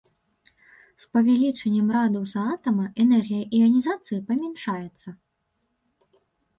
З павелічэннем радыуса атама энергія іанізацыі памяншаецца.